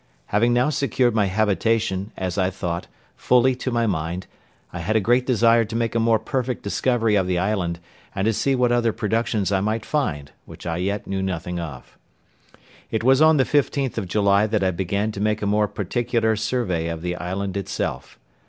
Having now secured my habitation, as I thought, fully to my mind, I had a great desire to make a more perfect discovery of the island, and to see what other productions I might find, which I yet knew nothing of. It was on the 15th of July that I began to take a more particular survey of the island itself.